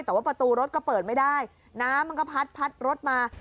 แต่ว่าประตูรถก็เปิดไม่ได้น้ำมันก็พัดพัดรถมา